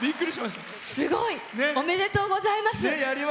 すごい。おめでとうございます。